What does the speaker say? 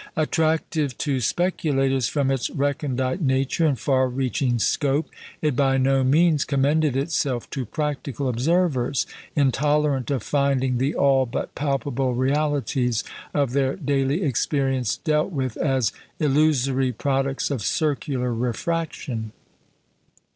Attractive to speculators from its recondite nature and far reaching scope, it by no means commended itself to practical observers, intolerant of finding the all but palpable realities of their daily experience dealt with as illusory products of "circular refraction."